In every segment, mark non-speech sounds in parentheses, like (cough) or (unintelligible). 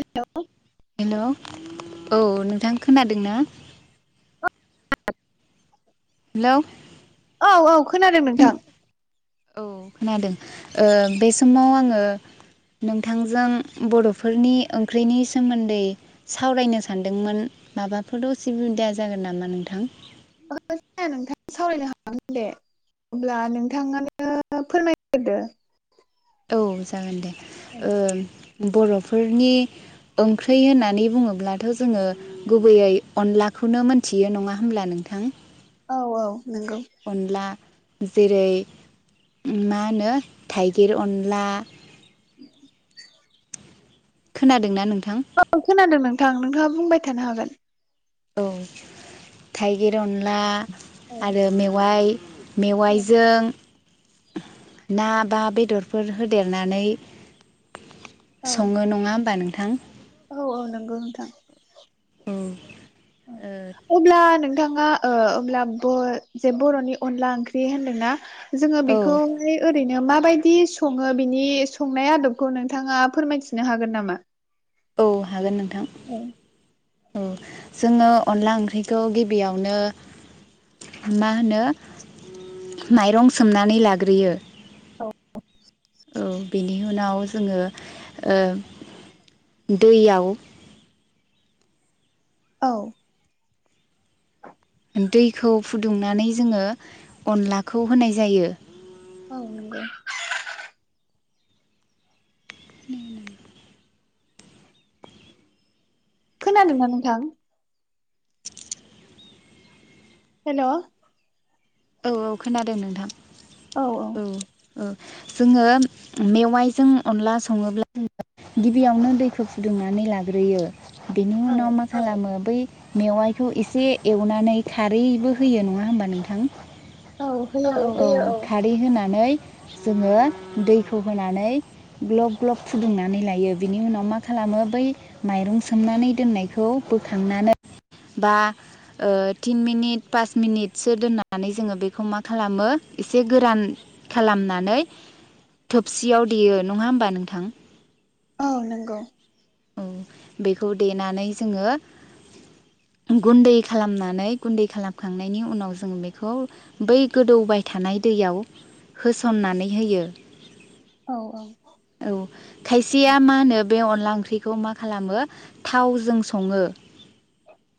हेल' hello औ नोंथां खोनादों ना? औ हेल' औ औ खोनादों नोंथां। औ खोनादों ओ बे समाव आङो नोंथांजों बर'फोरनि ओंख्रिनि सोमोन्दै सावरायनो सानदोंमोन माबाफोर असुबिदा जागोन नामा नोंथां? (unintelligible) सावरायनो हागोन दे अब्ला नोंथाङानो फोरमायग्रोदो औ जागोन दे ओ बर'फोरनि ओंख्रै होननानै बुङोब्लाथ' जोङो गुबैयै अनलाखौनो मोनथियो नङा होमब्ला नोंथां औ औ नोंगौ। अनला जेरै ओ मा होनो थाइगिर अनला (inaudible) खोनादोंना नोंथां? औ खोनादों नोंथां नोंथाङा बुंबाय थानो हागोन। औ थाइगिर अनला औ आरो मेवाय मेवाइजों ना बा बेदरफोर होदेरनानै सङो नङा होमबा नोंथां। औ - औ नोंगौ नोंथां। औ ओ अब्ला नोंथाङा ओ अब्ला बो जे बर'नि अनला ओंख्रि होनदोंना? जोङो औ बेखौहाय जे ओरैनो नो माबायदि सङो बिनि संनाय आदबखौ नोंथाङा फोरमायथिनो हागोन नामा? औ हागोन नोंथां। औ जोङो अनला ओंख्रिखौ गिबियावनो मा ओम होनो माइरं सोमनानै लाग्रोयो। औ औ बेनि उनाव जोङो ओ दैयाव औ। दैखौ फुदुंनानै जोङो अनलाखौ होनाय जायो। औ नोंगो। (unintelligible) खोनादों ना नोंथां? हेल'। औ - औ खोनादों नोंथां औ। ओ जोङो मेवाइजों अनला सङोब्ला (unintelligible) गिबियावनो दैखो फुदुंनानै लाग्रोयो। औ मेवाइखौ इसे एवनानै खारैबो होयो नङा होमबा नोंथां? औ-औ होयो ओ खारै होनानै जोङो दैखौ होनानै ग्लब-ग्लब फुदुंनानै लायो बिनि उनाव मा खालामो बै माइरं सोमनानै दोननायखौ बोखांनानै बा ओ थिन मिनिट पास मिनिटसो दोननानै जोङो बेखौ मा खालामो इसे गोरान खालामनानै थोबसियाव देयो नङा होमबा नोंथां? औ नोंगौ। औ बेखौ देनानै जोङो गुन्दै खालामनानै गुन्दै खालामखांनायनि उनाव जों बेखौ बै गोदौबाय थानाय दैयाव होस'ननानै होयो। औ - औ। औ खायसेया मा होनो बे अनला ओंख्रि खौ मा खालामो थावजों सङो।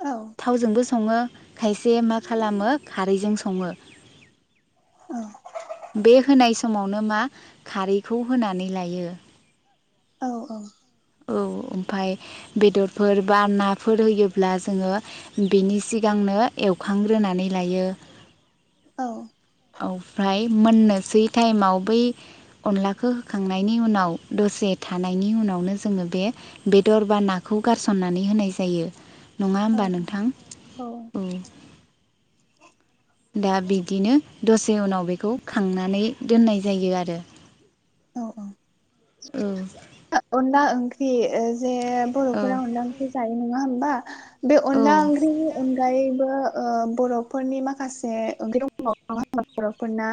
औ। थावजोंबो सङो खायसे मा खालामो खारैजों सङो। औ। बे होनाय समावनो मा खारैखौ होनानै लायो। औ - औ। औ ओमफाय बेदरफोर बा नाफोर होयोब्ला जोङो बिनि सिगांनो एवखांग्रोनानै लायो। औ। औफ्राय मोननोसै टाइमाव बै अनलाखौ होखांनायनि उनाव दसे थानायनि उनावनो जोङो बे बेदर बा नाखौ गारसननानै होनाय जायो। नङा औ होमबा नोंथां औ। दा बिदिनो दसे उनाव बेखौ खांनानै दोननाय जायो आरो। औ औ। औ। अनला ओंख्रि जे औ बर'फोरा अनला ओंख्रि जायो नङा होमबा बे अनला औ ओंख्रिनि अनगायैबो ओ बर'फोरनि माखासे ओंख्रि दंबावो (unintelligible) बर'फोरना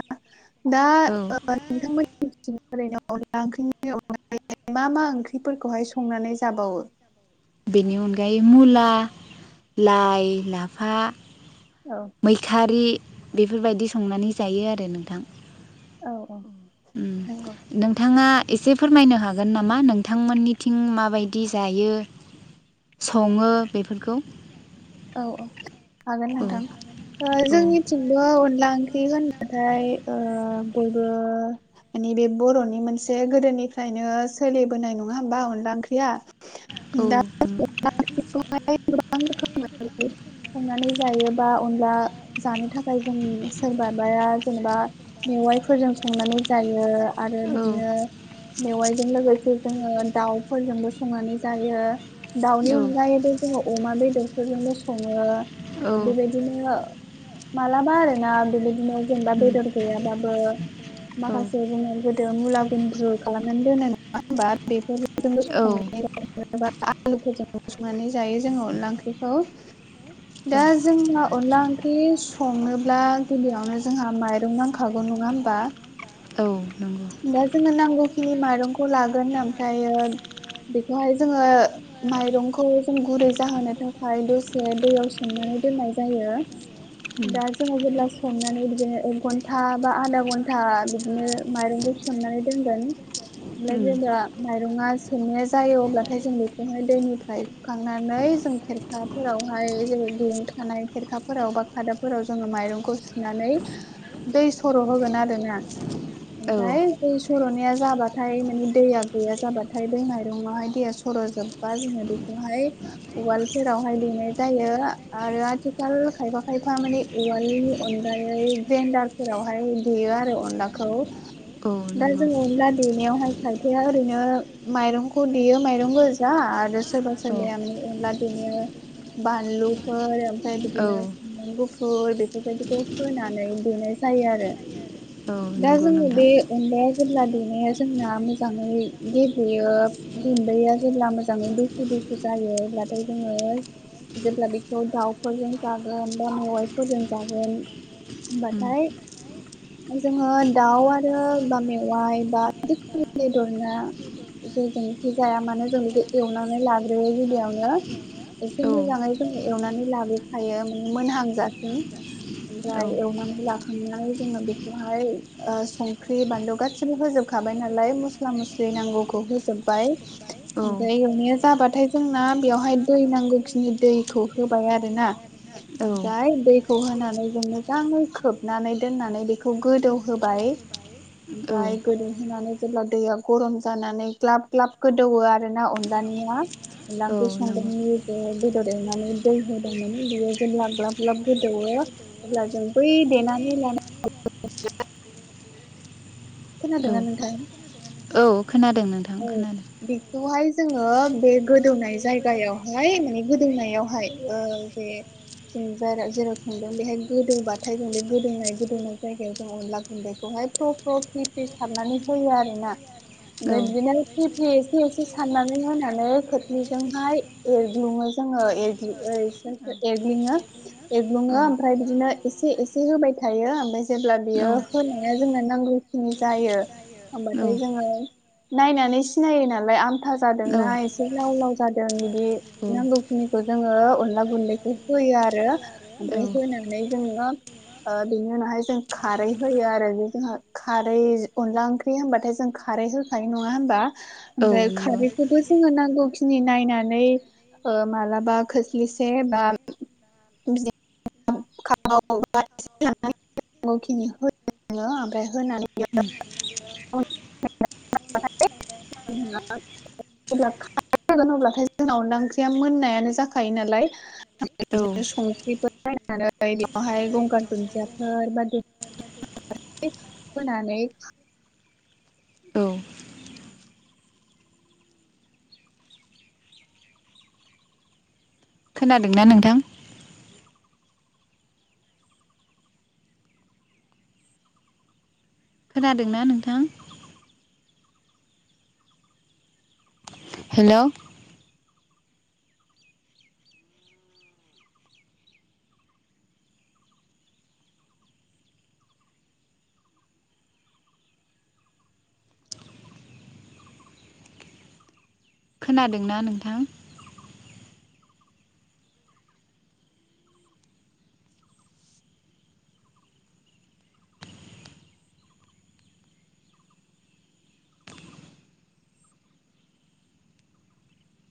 दा औ ओ नोंथांमोननिथिं ओरैनो अनला ओंख्रिनि अन मा मा ओंख्रिफोरखौहाय संनानै जाबावो? बेनि अनगायै मुला, लाइ, लाफा औ मैखारि बेफोरबायदि संनानै जायो आरो नोंथां। औ औ नंगौ उम नोंथाङा एसे फोरमायनो हागोन नामा नोंथांमोननिथिं माबायदि जायो? सङो बेफोरखौ। औ औ हागोन औ नोंथां ओ औ जोंनिथिं थिंबो अनला ओंख्रि होनबाथाय ओ बयबो मानि बे बर'नि मोनसे गोदोनिफ्रायनो सोलिबोनाय नङा होमबा अनला ओंख्रिया औ दा बेखौ (unintelligible) गोबां रोखोम (unintelligible) संनानै जायोबा अनला जानो थाखाय जों सोरबाबाया जेनेबा मेवाइफोरजों संनानै जायो आरो औ बिदिनो मेवाइजों लोगोसे जोङो दाउफोरजोंबो संनानै जायो। दाउनि अनगायैबो जोङो अमा बेदरफोरजोंबो सङो बेबायदि बिदिनो मालाबा आरो ना बिबायदिनो जोंबा उम बेदर गैयाबाबो औ माखासे जोङो गोदो मुला गुन्द्रु खालामनानै दोनो (unintelligible) औ (unintelligible) जबा आलुफोरजों संनानै जायो जोङो अनला ओंख्रिखौ दा औ जोंहा अनला ओंख्रि संनोब्ला गिबियावनो जोंहा माइरं नांखागौ नङा होमबा औ नंगौ। दा जोङो नांगौखिनि माइरंखौ लागोन ओमफ्रायो बेखौहाय जोङो माइरंखौ जों गुरै जाहोनो थाखाय ओमफ्राय दसे दैयाव सोमनानै दोननाय जायो उम दा जोंहा जेब्ला संनानै बिदिनो एक घन्टा बा आधा घन्टा बिदिनो माइरंखौ सोमनानै दोनगोन ओमफ्राय उम जेब्ला माइरङा सोमनाया जायो अब्लाथाय जों बेखौहाय दैनिफ्राय सुखांनानै जों खेर खाफोरावहाय जोङो दोन खानाय फेरखाफोराव बा खादाफोराव जोङो माइरंखौ सुनानै दै सर' होगोन आरो ना औ ओमफ्राय दै सर'नाया जाबाथाय मानिे दैया गैया जाबाथाय बै माइरंआहाय गेस फोरा जोब्बा जोङो बेखौहाय उवाल फोरावहाय देनाय जायो आरो आथिखाल खायफा खायफा माने उवालनि अनगायै ग्रेन्दार फोरावहाय देयो आरो अनलाखौ औ दा नंगौ जोंङ अनला देनायावहाय खायफाया ओरैनो माइरंखौ देयो माइरं गोजा आरो सोरबा औ सोरबाया माने अनला देनायाव बानलुफोर ओमफ्राय औ बिदिनो सामब्राम गुफुर फुल बेफोरबायदिखौ फोनानै देनाय जायो आरो औ दा नंगौ जोङो बे नोंथां अनलाया जेब्ला देनाया जोंना मोजाङै गेब्लेयो दुन्दैया जेब्ला मोजाङै दुखु दुखु जायो अब्लाथाय जोङो जेब्ला बेखौ दाउफोरजों जागोन बा मेवाइफोरजों जागोन उम होमबाथाय जोङो दाउ आरो बा मेवाइ बा जेखुनु बेदर ना जेजोंनोखि जाया मानो जोंदि एवनानै लाग्रोयो गिबियावनो एसे औ मोजाङै जों एवनानै लाबोखायो माने मोनहांजासिम औ ओमफ्राय एवनानै लाखांनाय जोङो बेखौहाय ओ संख्रि बानलु गासै गासिबो होजोबखाबाय नालाय मस्ला मस्लि नांगौखौ होजोबबाय ओमफ्राय औ एवनाया जाबाथाय जोंना बेवहाय दै नांगौखिनि दैखौ होबाय आरोना ओमफ्राय दैखौ होनानै जों मोजां खोबनानै दोननानै बेखौ गोदौहोबाय औ ओमफ्राय गोदौहोनानै जेब्ला दैया गरम जानानै ग्लाब ग्लाब गोदौवो आरो ना अनलानिया अनला औ ओंख्रि सं जों नंगौ बेदर एवनानै दै होदोंमोन बेयो जेब्ला ग्लाब ग्लाब गोदौवो अब्ला जों बै देनानै लानाय मस्ला मस्लिखौ खोनादों औ ना नोंथां औ खोनादों नोंथां औ खोनादों बेखौहाय जोङो बे गोदौनाय जायगायावहाय माने गोदौनायावहाय ओ जे जों जाराव जेराव संदों बेहाय गोदौबाथाय जों बे गोदौनाय गोदौनाय जायगायाव जों अनला गुन्दैखौहाय फ्रि फ्रि फ्रि फ्रि सारनानै होयो आरो ना औ फ्राय बिदिनो फ्रि फ्रि एसे एसे साननानै होनानै खोरस्लिजोंहाय एरग्लुङो जोङो एर ओं औ एसे एगलिङो औ एग्लुङो ओमफ्राय बिदिनो एसे एसे होबाय थायो ओमफ्राय जेब्ला बियो होनाया जोंनो नांगौ खिनि जायो होमबाथाय जोङो नायनानै सिनायो नालाय आमथा औ जादोंना एसे लाव लाव जादों बिदि नांगौखिनिखौ जोङो अनला गुन्दैखौ होयो आरो औ ओमफ्राय होनानै जोङो ओ बेनि उनावहाय जों खारै होयो आरो जोंहा खारै अनला ओंख्रि होनबाथाय जों खारै हो खारै नङा होनबा औ ओमफ्राय नंगौ खारैखौबो जोङो नांगौ खि खिनि नायनानै ओ मालाबा खोस्लिसे बा बि खाव लाब से होना नै बिदिनो नांगौखिनि होनानै आमफ्राय होनानैनो ओम ओम फाय जोंना जेब्ला खारै होगोन अब्लाथाय जोंना अनला ओंख्रिया मोननायानो जाखायो नालाय औ बिदिनो संख्रिफोर नायनानै बेवहाय गंगार दुन्दियाफोर बा खोनाया होनानै औ खोनादोंना नोंथां खोनादोंना नोंथां हेलौ खोनादोंना नोंथां